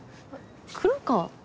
黒川？